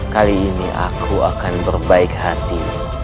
kali ini aku akan berbaik hati